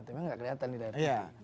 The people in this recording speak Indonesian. tapi nggak kelihatan di daerah ini